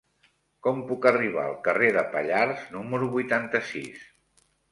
Com puc arribar al carrer de Pallars número vuitanta-sis?